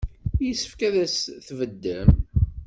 Yessefk ad as-tbeddem.